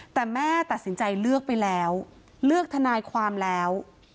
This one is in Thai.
แต่แม่ตัดสินใจเลือกไปแล้วเลือกทนายความแล้ว